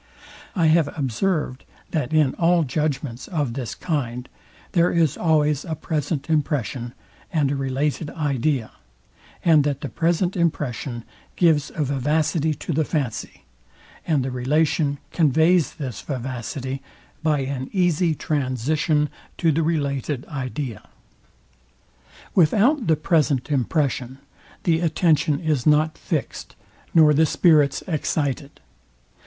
I have observed, that in all judgments of this kind, there is always a present impression and a related idea; and that the present impression gives a vivacity to the fancy, and the relation conveys this vivacity, by an easy transition, to the related idea. Without the present impression, the attention is not fixed, nor the spirits excited.